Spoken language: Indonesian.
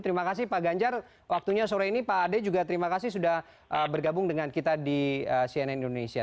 terima kasih pak ganjar waktunya sore ini pak ade juga terima kasih sudah bergabung dengan kita di cnn indonesia